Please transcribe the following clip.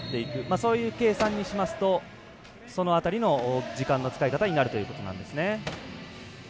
そういう計算にしますとその辺りの時間の使い方になるということなんですね。